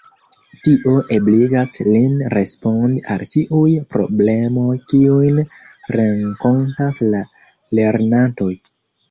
Tio ebligas lin respondi al ĉiuj problemoj kiujn renkontas la lernantoj.